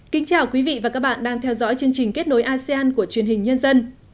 kính chào quý vị và các bạn đang theo dõi chương trình kết nối asean của truyền hình nhân dân